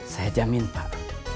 saya jamin pak